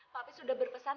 pak pes sudah berpesan